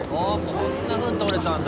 こんなふうに撮れたんだ！